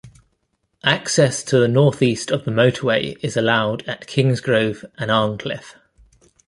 Access to the north east of the motorway is allowed at Kingsgrove and Arncliffe.